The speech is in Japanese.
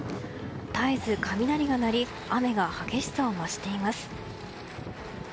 絶えず雷が鳴り雨が激しさを増しています。